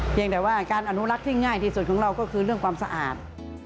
เพียงแต่ว่าการอนุรักษ์ที่ง่ายที่สุดของเราก็คือเรื่องความสะอาด